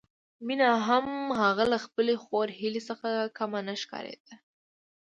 مينه هم هغه له خپلې خور هيلې څخه کمه نه ښکارېده